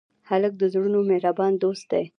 هلک د زړونو مهربان دوست دی.